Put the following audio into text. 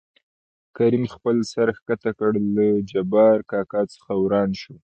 کريم خپل سر ښکته کړ له جبار کاکا څخه راوان شو.